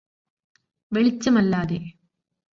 വെളിച്ചമല്ലാതെ